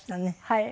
はい。